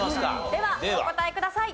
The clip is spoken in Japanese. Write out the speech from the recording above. ではお答えください。